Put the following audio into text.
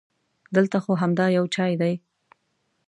دلته خو همدا یو چای دی.